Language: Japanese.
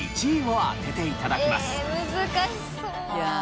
え難しそう。